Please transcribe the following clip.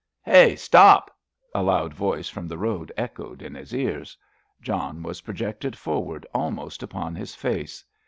"Hey, stop!" a loud voice from the road echoed in his ears. John was projected forward almost upon his face.